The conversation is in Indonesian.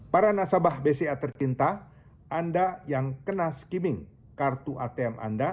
para nasabah bca tercinta anda yang kena skimming kartu atm anda